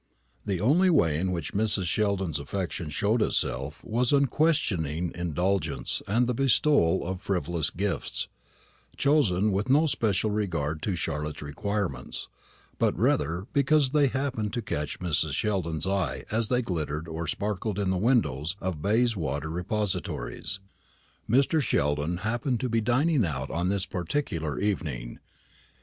The only way in which Mrs. Sheldon's affection showed itself was unquestioning indulgence and the bestowal of frivolous gifts, chosen with no special regard to Charlotte's requirements, but rather because they happened to catch Mrs. Sheldon's eye as they glittered or sparkled in the windows of Bayswater repositories. Mr. Sheldon happened to be dining out on this particular evening.